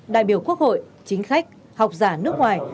đại biểu quốc hội chính khách học giả nước ngoài